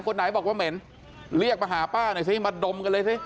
คนไหนบอกว่าเหม็นเรียกมาหาป้าหน่อยสิมาดมกันเลยสิ